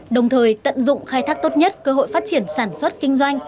đồng thời tận dụng khai thác tốt nhất cơ hội phát triển sản xuất kinh doanh